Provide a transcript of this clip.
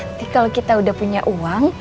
nanti kalau kita udah punya uang